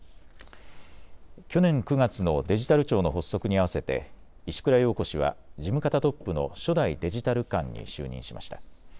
去年９月のデジタル庁の発足に合わせて石倉洋子氏は事務方トップの初代デジタル監に就任しました。